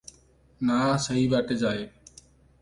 ନାଆ ସେହି ବାଟେ ଯାଏ ।